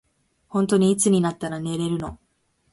ほんとにいつになったら寝れるの。